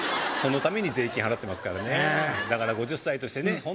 そのために税金払ってますからねええだから５０歳としてね